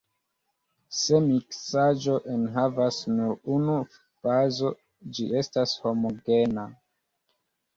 Se miksaĵo enhavas nur unu fazon, ĝi estas homogena.